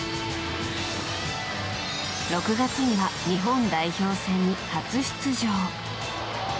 ６月には日本代表戦に初出場。